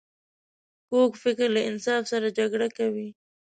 کوږ فکر له انصاف سره جګړه کوي